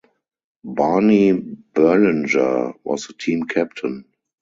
Barney Berlinger was the team captain.